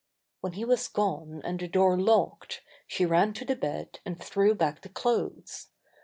When he was gone, and the door locked, she ran to the bed, and threw back the clothes.